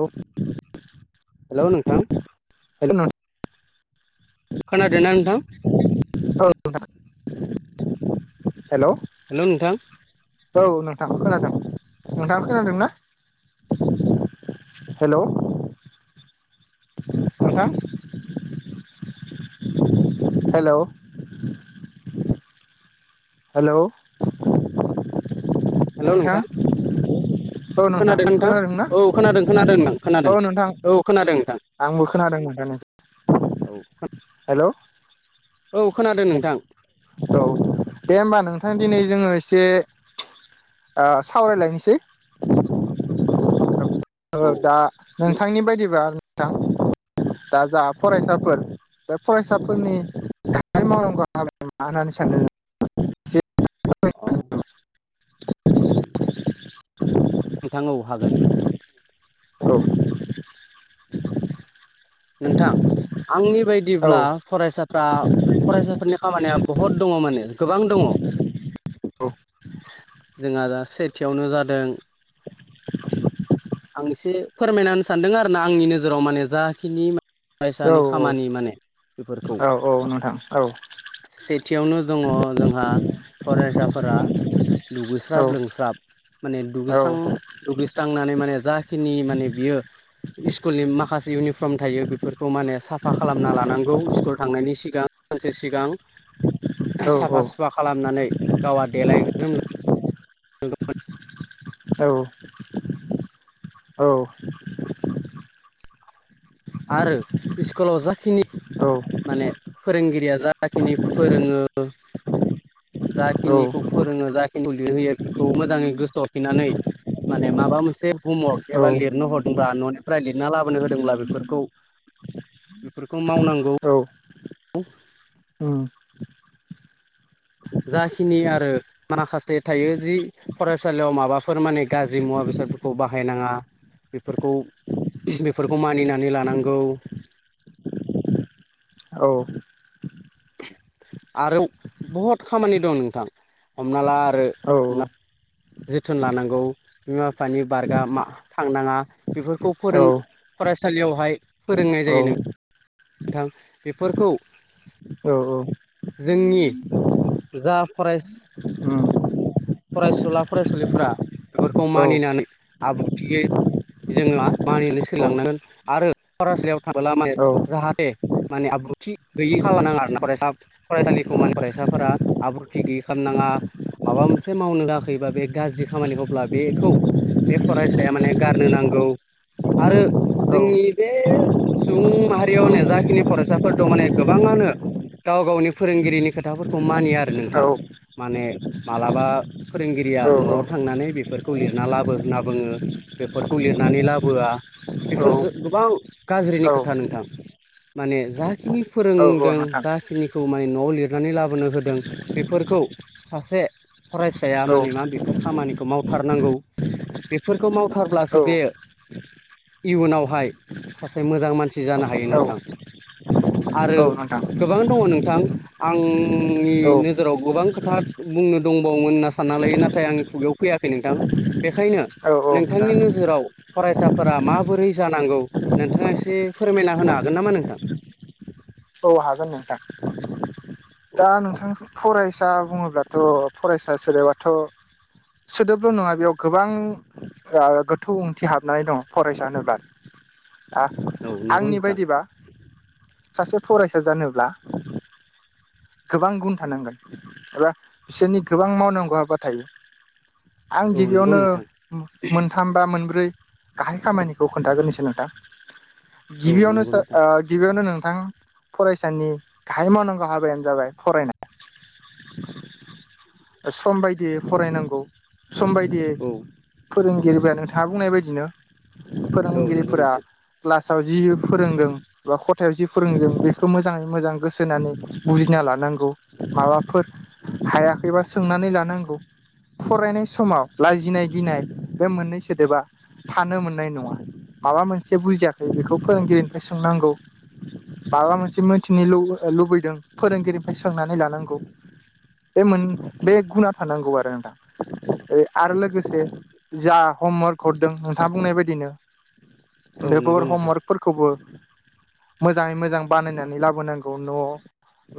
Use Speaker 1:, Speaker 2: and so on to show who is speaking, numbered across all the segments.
Speaker 1: औ
Speaker 2: हेल' नोंथां।
Speaker 1: हेल' नों
Speaker 2: खोनादोना नोंथां?
Speaker 1: औ नोंथां हेल'।
Speaker 2: हेल' नोंथां।
Speaker 1: औ नोंथा खोनादों। नोंथाङा खोनादों ना? हेल'। नोंथां हेल'। हेल'
Speaker 2: हेलौ
Speaker 1: नोंथां।
Speaker 2: नोंथां
Speaker 1: औ
Speaker 2: खोनादों नोंथां
Speaker 1: खोनादोंना
Speaker 2: औ खोनादों खोनादों नोंथां
Speaker 1: औ
Speaker 2: खोनादों
Speaker 1: नोंथां
Speaker 2: औ खोनादों नोंथां।
Speaker 1: आंबो खोनादोंमोन दानो।
Speaker 2: औ।
Speaker 1: हेल'।
Speaker 2: औ खोनादों नोंथां।
Speaker 1: औ दे होमबा नोंथां दिनै जोंङो एसे सावरायलायनोसै। औ दा नोंथांनि बायदिब्ला नोंथां दा जा फरायसाफोर बे फरायसाफोरनि [unintelligible] मा होननानै सानो? एसे
Speaker 2: अ। नोंथां औ हागोन।
Speaker 1: औ।
Speaker 2: नोंथां आंनि
Speaker 1: औ
Speaker 2: बायदिब्ला फरायसाफ्रा फरायसाफोरनि खामानिया बहुद दङ माने गोबां दङ।
Speaker 1: औ।
Speaker 2: जोंहा दा सेथियावनो जादों आं एसे फोरमायनानै सानदों आरो ना आंनि नोजोराव माने जाखिनि
Speaker 1: औ
Speaker 2: फरायसानि खामानि माने बेफोरखौ।
Speaker 1: औ औ नोंथां औ
Speaker 2: सेथियावनो दङ जोंहा फरायसाफोरा
Speaker 1: औ
Speaker 2: दुगैस्राब लोंस्राब माने दुगैस्रां दुगैस्रांनानै माने जाखिनि माने बियो स्कुलनि माखासे इउनिफर्म थायो बेफोरखौ माने साफा खालामना लानांगौ स्कुल थांनायनि सिगां। सानसे सिगां
Speaker 1: [unintelligible]
Speaker 2: साफा सुफा खालामनानै गावआ देलाय [unintelligible]
Speaker 1: औ औ।
Speaker 2: आरो स्कुलाव जाखिनि माने फोरोंगिरिया जाखिनि फोरोङो जाखिनिखौ फोर रोङो जाखिखौ लिरहोयो बेखौ मोजाङै गोसो हरफिननानै माने माबा मोनसे हमवरख एबा लिरनो हरदोंब्ला न'निफ्राय लिरना लाबोनो होदोंब्ला बेफोरखौ फोरखौ मावनांगौ।
Speaker 1: औ।
Speaker 2: औ।
Speaker 1: उम।
Speaker 2: जाखिनि आरो माखासे थायो जि फरायसालियाव माबाफोर माने गाज्रि मुवा बेसादफोरखौ बाहायनाङा बेफोरखौ बेफोरखौ मानिनानै लानांगौ।
Speaker 1: औ।
Speaker 2: आरो बहुद खामानि दं नोंथां हमना ला आरो। जोथोन लानांगौ बिमा बिफानि बारगा मा थांनाङा बेफोरखौ फोरों फरायसालियावहाय फोरोंनाय जायो नों नोंथां बेफोरखौ
Speaker 1: औ औ।
Speaker 2: जोंनि जा फरेस्ट
Speaker 1: औ।
Speaker 2: फरायसुला फरायसुलिफोरा बेफोरखौ मानिनानै आब्रुथियै जोहा मानिनो सोलिलांनांगोन आरो फरायसालियाव थाबोला माने जाहाथे माने आब्रुथि गैयि खालामनांङा आरो ना फराय साब फरायसालिखौ माने फरायसाफोरा आब्रुथि गैयै खालामनाङा माबा मोनस से मावनो होआखैबा बे गाज्रि खामानि हब्ला बेखौ बे फरायसाया माने गारनो नांगौ आरो जोंनि बे सुबुं माहारियावानो जाखिनि फरायसाफोर दं माने गोबाङानो गाव गावनि फोरोंगिरिनि खोथाफोरखौ मानिया आरो नोंथां माने मालाब बा फोरोंगिरिया
Speaker 1: औ
Speaker 2: न'आव थांनानै बेफोरखौ लिरना लाबो होनना बुङो। बेफोरखौ लिरनानै लाबोआ बेफोर जों गोबां गाज्रिनि खोथा नोंथां। माने जाखिनि
Speaker 1: औ
Speaker 2: फोरोंदों
Speaker 1: नोंथां
Speaker 2: जाखिनि खौ माने न'आव लिरनानै लाबोनो होदों बेफोरखौ सासे फरायसाया
Speaker 1: औ
Speaker 2: मानि मा बेफोर खामानिखौ मावथारनांगौ? बेफोरखौ मावथारब्लासो बे इयुनावहाय सासे मोजां मानसि जानो हायो नोंथां। आरो
Speaker 1: औ
Speaker 2: गोबांङानो दङ नोंथां आंनि नोजोराव गोबां खोथा बुंनो दंबावोमोन होनना सानना लायो नाथाय आंनि खुगायाव फैयाखै नोंथां बेखायनो
Speaker 1: औ
Speaker 2: नोंथांनि
Speaker 1: नोंथां
Speaker 2: नोजोराव फरायसाफोरा माबोरै जानांगौ नोंथाङा एसे फोरमायना होनो हागोन नामा नोंथां?
Speaker 1: औ हागोन नोंथां।
Speaker 2: औ
Speaker 1: दा नोंथां फरायसा बुङोब्लाथ' फरायसा सोदोबाथ' सोदोबल' नङा बेयाव गोबां गोथौ ओंथि हाबनानै दं फरायसा होनोब्ला। आं
Speaker 2: औ नंगौ
Speaker 1: आंनि
Speaker 2: नोंथां
Speaker 1: बायदिबा सासे फरायसा जानोब्ला गोबां गुन थानांगोन एबा बिसोरनि गोबां मावनांगौ हाबा थायो। आं
Speaker 2: औ नंगौ
Speaker 1: गिबियावनो
Speaker 2: नोंथां
Speaker 1: मोनथाम बा मोनब्रै गाहाय खामानिखौ खोन्थाग्रोनोसै नोंथां।
Speaker 2: औ
Speaker 1: गिबियावनो
Speaker 2: नंगौ
Speaker 1: स
Speaker 2: नोंथां
Speaker 1: ओ गिबियावनो नोंथां फरायसानि गाहाय मावनांगौ हाबायानो जाबाय फरायनाय ओ सम बायदियै फरायनांगौ। सम बायदियै
Speaker 2: औ
Speaker 1: फोरोंगिरिफोरा नोंथाङा बुंनाय बायदिनो
Speaker 2: औ नंगौ
Speaker 1: फोरोंगिरिफोरा
Speaker 2: नोंथां
Speaker 1: क्लासाव जि फोरोंदों बा खथायाव जि फोरोंदों बेखौ मोजाङै मोजां गोसो होनानै बुजिना लानांगौ माबाफोर हायाखैबा सोंनानै लानांगौ। फरायनाय समाव लाजिनाय गिनाय बे मोननै सोदोबा थानो मोननाय नङा। माबा मोनसे बुजियाखै बेखौ फोरोंगिरिनिफ्राय सोंनांगौ। माबा मोनसे मोनथिनो लु लुबैदों फोरोंगिरिनिफ्राय सोंनानै लानांगौ। बे मोन बे गुना थानांगौ आरो नोंथां। ओ आरो लोगोसे जा हमवार्क हरदों नोंथाङा बुंनाय बायदिनो
Speaker 2: औ नंगौ
Speaker 1: बेफोर‌
Speaker 2: नोंथां
Speaker 1: हमवरक फोरखौबो मोजाङै मोजां बानायनानै लाबोनांगौ न'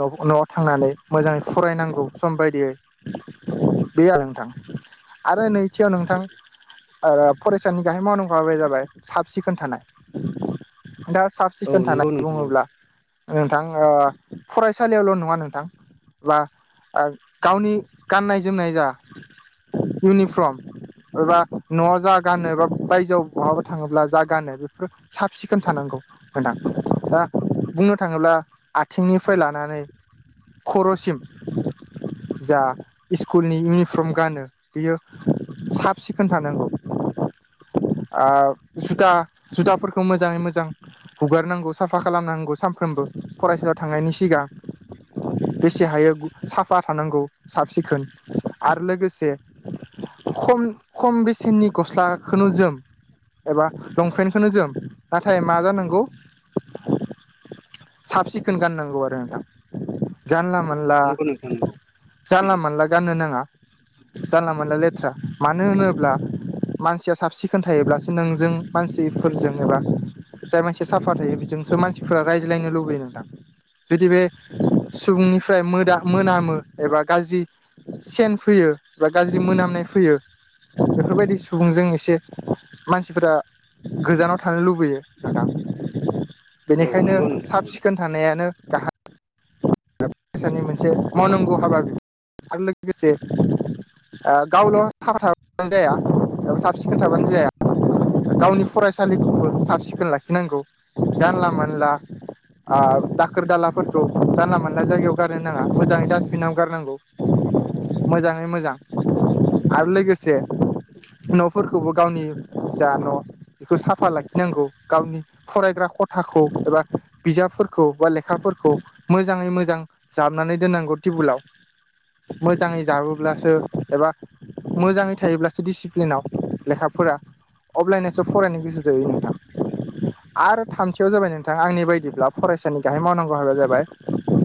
Speaker 1: न' न'आव थांनानै मोजाङै फरायनांगौ सम बायदियै। बे आरो नोंथां आरो नै थियाव
Speaker 2: औ
Speaker 1: नोंथां आरो फरायसानि गाहाय मावनां जाबाय साब सिखोन थानाय दा साब
Speaker 2: औ
Speaker 1: सिखोन
Speaker 2: नंगौ
Speaker 1: थानाय
Speaker 2: नोंथां औ
Speaker 1: बुङोब्ला नोंथां ओ फरायसालियावल' नङा नोंथां ओ गावनि गाननाय जोमनाय जा इउनिफर्म न'आव जा गानो बा बायजोआव बहाबा थाङोब्ला जा गानो बेफोर साब सिखोन थानांगौ नोंथां दा बुंनो थाङोब्ला आथिंनिफ्राय लानानै खर'सिम जा स्कुलनि इउनिफर्म गानो बियो साब सिखोन थानांगौ। ओ जुथा जुथाफोरखौ मोजाङै मोजां हुगारनांगौ साफा खालामनांगौ सानफ्रोमबो फरायसालियाव थांनायनि सिगां। बेसे हायो साफा थानांगौ साब सिखोन आरो लोगोसे खम खम बेसेननि गस्लाखोनो जोम। एबा लंपेन्टखोनो जोम नाथाय मा जानांगौ साबसि पेन गाननांगौ आरो नोंथां
Speaker 2: औ
Speaker 1: जानलामोनला-
Speaker 2: नंगौ नोंथां नंगौ
Speaker 1: जानला मोनला गाननो नाङा जानला मोनला लेथ्रा मानो होनोब्ला मानसिया साब सिखोन थायोब्लासो नोंजों मानसिफोरजों एबा जाय मानसिया साफा थायो बेजोंसो मानसिफोरा रायज्लायनो लुबैयो नोंथां। जुदि बे सुबुंनिफ्राय मो-मोनामो एबा गाज्रि सेन फैयो बा गाज्रि मोनामनाय फैयो बेफोरबायदि सुबुंजों एसे मानसिफोरा गोजानाव थानो लुबैयो नोंथां।
Speaker 2: औ
Speaker 1: बेनिखायनो
Speaker 2: नंगौ नोंथां
Speaker 1: साब
Speaker 2: नंगौ
Speaker 1: सिखोन थानाया नो गाहाय सानि मोनसे मावनांगौ हाबा आरो लोगोसे ओ गावल' साफा थाबानो जाया साब सिखोन थाबानो जाया गावनि फरायसालिखौबो साब सिखोन लाखिनांगौ। जानला मोनला ओ दाखोर दालाफोरखौ जानला मोनला जायगायाव गारनो नाङा मोजाङै डास्टबिनाव गारनांगौ। मोजाङै मोजां आरो लोगोसे न'फोरखौबो गावनि जा न' बेखौ साफा लाखिनांगौ गावनि फरायग्रा खथाखौ एबा बिजाबफोरखौ बा लेखाफोरखौ मोजाङै मोजां जाबनानै दोननांगौ टिबोलाव मोजाङै जाबोब्लासो एबा मोजाङै थायोब्लासो डिसिप्लिनाव लेखाफोरा अब्लानासो फरायनो गोसो जायो नोंथां। आरो थामथियाव जाबाय नोंथां आंनि बायदिब्ला फरायसानि गाहाय मावनांगौ हाबाया जाबाय ओ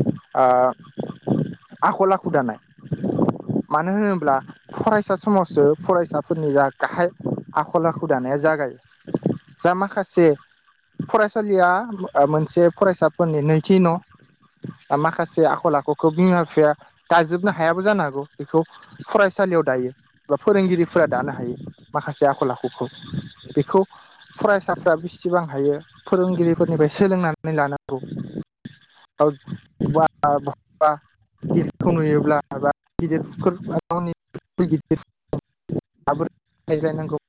Speaker 1: आखल आखु दानाय। मानो होनोब्ला फरायसा समावसो फरायसाफोरनि जा गाहाय आखल आखु दानाया जागायो जा माखासे फरायसालिया ओ मोनसे फरायसाफोरनि नैथि न'। ओ माखासे आखल आखुखौ बिमा बिफाया दाजोबनो हायाबो जानो हागौ बेखौ फरायसालियाव दायो। बा फोरोंगिरिफोरा दानो हायो माखासे आखल आखु [unintelligible] बेखौ फरायसाफ्रा बिसिबां हायो फोरोंगिरिफोरनिफ्राय सोलोंनानै लानांगौ। [unintelligible] [unintelligible] माबोरै रायज्लायनांगौ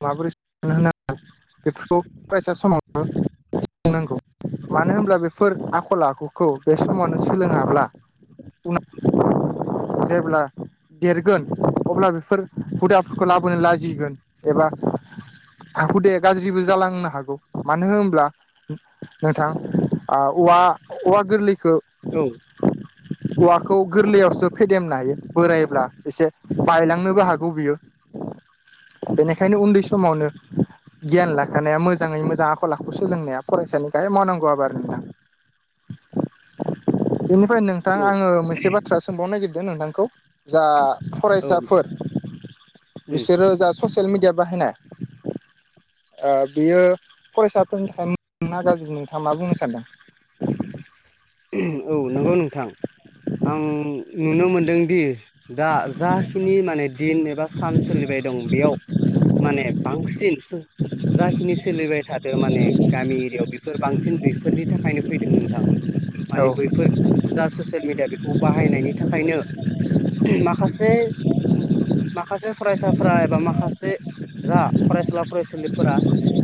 Speaker 1: माबोरै [unintelligible] फरायसा समावनो [unintelligible] मानो होनब्ला बेफोर आखल आखुखौ बे समावनो सोलोङाब्ला [unintelligible] जेब्ला देरगोन अब्ला बेफोर हुदाफोरखौ लाबोनो लाजिगोन एबा हुदाया गाज्रिबो जालांनो हागौ। मानो होनब्ला नोंथां ओ औवा- औवा गोरलैखौ
Speaker 2: औ।
Speaker 1: औवाखौ गोरलैयावसो फेदेमनो हायो बोरायोब्ला एसे बायलांनोबो हागौ बियो। ओंखायनो उन्दै समावनो गियान लाखानाया मोजाङै मोजां आखल आखु सोलोंनाया फरायसानि गाहाय मावनांगौ हाबा आरो नोंथां।
Speaker 2: [inaudible]
Speaker 1: बेनिफ्राय नोंथां
Speaker 2: औ
Speaker 1: आंङो मोनसे बाथ्रा सोंबावनो नागिरदों नोंथांखौ। जा
Speaker 2: औ
Speaker 1: फरायसाफोर
Speaker 2: उम
Speaker 1: बिसोरो जा ससियेल मिडिया बाहायनाय ओ बेयो फरायसाफोरनि थाखाय मोजां ना गाज्रि नोंथाङा मा बुंनो सानदों।
Speaker 2: औ नंगौ नोंथां आं नुनो मोनदों दि दा जाखिनि माने दिन एबा सान सोलिबाय दं बेयाव माने बांसिन जाखिनि सोलिबाय थादों माने गामि एरियायाव बेफोर बांसिन बेफोरनि थाखायनो फैदों नोंथां।
Speaker 1: औ
Speaker 2: माने बैफोर जा ससियेल मिडिया बेखौ बाहायनायनि थाखायनो माखासे माखासे फरायसाफोरा एबा माखासे जा फरायसुला - फरायसुलिफोरा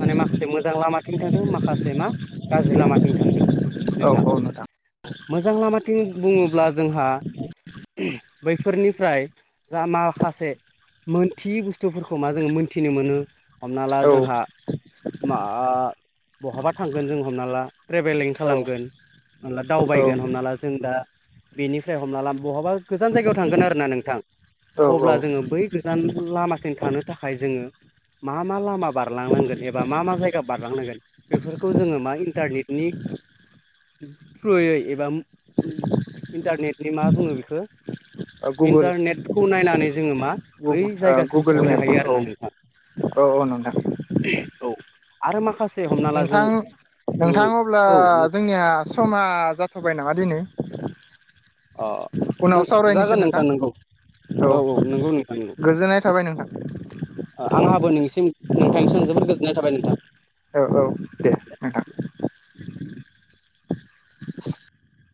Speaker 2: माने माखासे मोजां लामाथिं थांदों माखासे मा गाज्रि लामाथिं थांदों।
Speaker 1: औ - औ नोंथां।
Speaker 2: मोजां लामाथिं बुङोब्ला जोंहा बैफोरनिफ्राय जा माखासे मोनथियै बुस्थुफोरखौ मा जोङो मोन्थिनो मोनो। हमना ला
Speaker 1: औ
Speaker 2: जोंहा मा ओ बहाबा थांगोन जों हमना ला। ट्रेभेलिं
Speaker 1: औ
Speaker 2: खालामगोन हला दावबायगोन हमना ला जों दा बेनिफ्राय हमना ला बहाबा गोजान जायगायाव थांगोन आरोना नोंथां
Speaker 1: औ
Speaker 2: अब्ला जोङो बै गोजान लामासिम थानो थाखाय जोङो मा मा लामा बारलांनांगोन एबा मा मा जायगा बारलांनांगोन बेफोरखौ जोङो मा इन्टारनेटनि थ्रुयै एबा इन्टारनेटनि मा बुङो बेखौ
Speaker 1: औ गुगोल
Speaker 2: इन्टारनेटखौ नायनानै जोङो मा बै जायगासिम
Speaker 1: गुगोल
Speaker 2: सहैनो
Speaker 1: मेप
Speaker 2: हायो
Speaker 1: औ
Speaker 2: आरो ना नोंथां।
Speaker 1: औ - औ नोंथां।
Speaker 2: औ। आरो माखासे हमना ला जों
Speaker 1: नोंथां
Speaker 2: उम
Speaker 1: नोंथां अब्ला
Speaker 2: औ
Speaker 1: जोंनिया समा जाथ'बाय नामा दिनै
Speaker 2: अ नों
Speaker 1: उनाव सावरायनोसै
Speaker 2: जागोन
Speaker 1: नोंथां।
Speaker 2: नोंगौ
Speaker 1: औ
Speaker 2: नंगौ नोंथां नंगौ
Speaker 1: गोजोननाय थाबाय नोंथां।
Speaker 2: आंहाबो नोंसिम नोंथांनिसिम जोबोद गोजोननाय थाबाय नोंथां।
Speaker 1: औ -औ दे। नोंथां